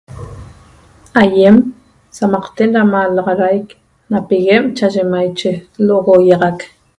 Aýem sa'amaqten da malaxadaic na piguen cha'aye maiche l'ogoiaxac